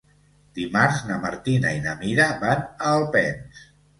Dimarts na Martina i na Mira van a Alpens.